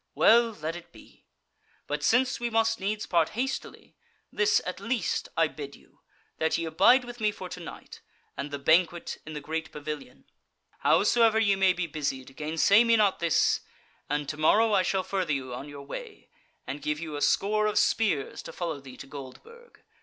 Well, let it be! But since we must needs part hastily, this at least I bid you, that ye abide with me for to night, and the banquet in the great pavilion. Howsoever ye may be busied, gainsay me not this; and to morrow I shall further you on your way, and give you a score of spears to follow thee to Goldburg.